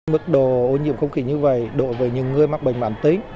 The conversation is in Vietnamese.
mức độ ô nhiễm không khí như vậy đổi về những người mắc bệnh mãn tính